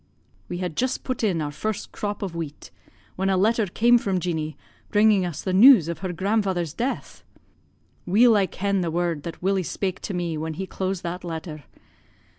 "We had just put in our first crop of wheat, when a letter came from Jeanie bringing us the news of her grandfather's death. Weel I ken the word that Willie spak' to me when he closed that letter.